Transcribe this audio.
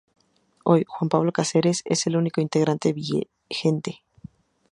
Hoy, Juan Pablo Cáceres es el único integrante vigente.